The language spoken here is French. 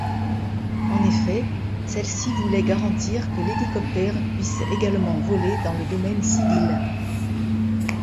En effet celle-ci voulait garantir que l'hélicoptère puisse également voler dans le domaine civil.